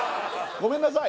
ごめんなさい！